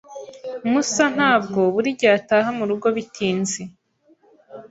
Musa ntabwo buri gihe ataha murugo bitinze.